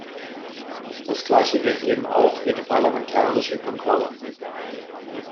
Das gleiche gilt eben auch für die parlamentarische Kontrolle.